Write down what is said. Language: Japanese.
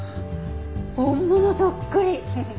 本物そっくり！